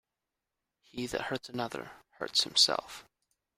He that hurts another, hurts himself.